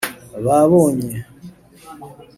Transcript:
babonye